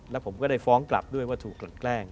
และผมก็ได้ฟ้องกลับด้วยว่าถูกแกล้ง